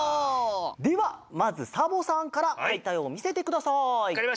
ではまずサボさんからこたえをみせてください。